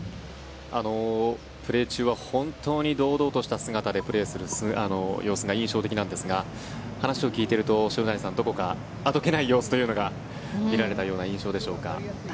プレー中は本当に堂々とした姿でプレーする姿が印象的なんですが話を聞いていると塩谷さん、どこかあどけない様子が見られたという印象でしょうか。